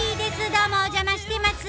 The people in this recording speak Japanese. どうもお邪魔してます！